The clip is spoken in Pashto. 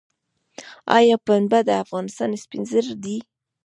آیا پنبه د افغانستان سپین زر دي؟